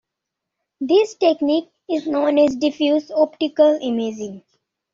This technique is known as diffuse optical imaging.